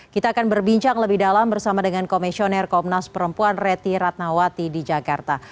kita akan berbincang lebih dalam bersama dengan komisioner komnas perempuan reti ratnawati di jakarta